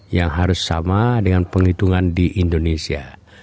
yang harus sama dengan penghitungan di indonesia